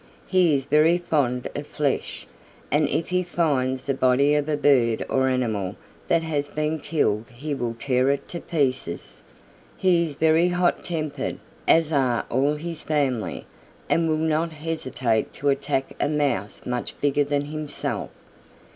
"He is very fond of flesh, and if he finds the body of a bird or animal that has been killed he will tear it to pieces. He is very hot tempered, as are all his family, and will not hesitate to attack a Mouse much bigger than himself.